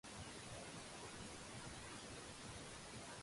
李家超你呢個仆街